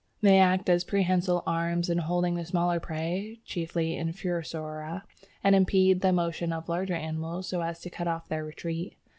They act as prehensile arms in holding the smaller prey, chiefly Infusoria, and impede the motion of larger animals so as to cut off their retreat.